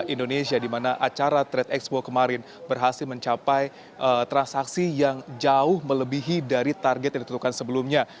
indonesia dimana acara trade expo kemarin berhasil mencapai transaksi yang jauh melebihi dari target yang ditentukan sebelumnya